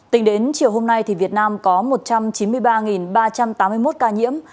tính đến chiều hôm nay việt nam có một trăm chín mươi ba ba trăm tám mươi một ca nhiễm